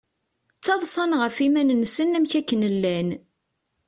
Ttaḍsan ɣef yiman-nsen amek akken llan.